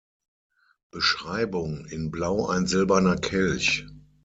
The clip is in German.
Beschreibung: In Blau ein silberner Kelch.